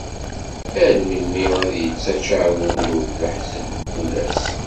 Ar melmi ara yettaččar wul-iw d leḥzen, mkul ass?